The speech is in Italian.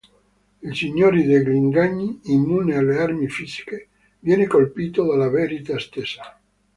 Il Signore degli Inganni, immune alle armi fisiche, viene colpito dalla verità stessa.